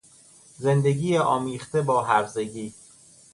زندگی آمیخته با هرزگی